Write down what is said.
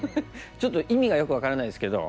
ちょっと意味がよく分からないですけど。